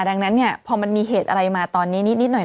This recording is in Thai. ดังนั้นเนี่ยพอมันมีเหตุอะไรมาตอนนี้นิดหน่อย